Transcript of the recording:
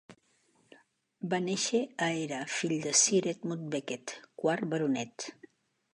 Va néixer a Era fill de Sir Edmund Beckett, quart baronet.